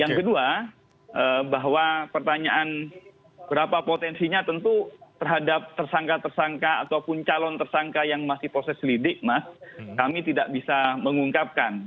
yang kedua bahwa pertanyaan berapa potensinya tentu terhadap tersangka tersangka ataupun calon tersangka yang masih proses lidik mas kami tidak bisa mengungkapkan